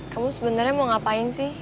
kamu sebenarnya mau ngapain sih